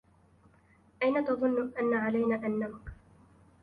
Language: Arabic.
أين تظن أن علينا أن نمكث؟